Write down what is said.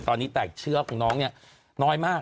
ตอนนี้แตกเชื้อของน้องเนี่ยน้อยมาก